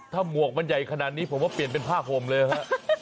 ถ้าหมวกมันใหญ่ขนาดนี้ผมว่าเปลี่ยนเป็นผ้าห่มเลยฮะ